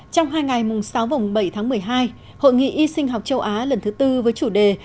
trong hai ngày mùng sáu và bảy tháng một mươi hai hội nghị y sinh học châu á lần thứ tư với chủ đề